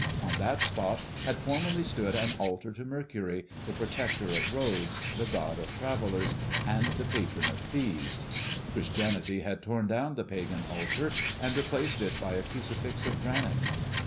On that spot had formerly stood an altar to Mercury, the protector of roads, the god of travellers, and the patron of thieves. Christianity had torn down the Pagan altar and replaced it by a crucifix of granite.